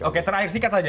oke terakhir sikat aja